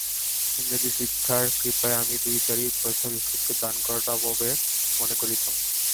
ইংরেজী শিক্ষার কৃপায় আমি দুই-চারি পয়সা ভিক্ষুককে দান করাটা অপব্যয় মনে করিতাম।